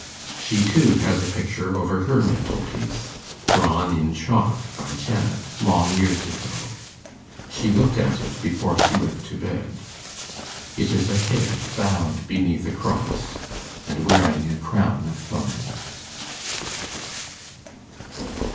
She too has a picture over her mantelpiece, drawn in chalk by Janet long years ago. She looked at it before she went to bed. It is a head bowed beneath a cross, and wearing a crown of thorns.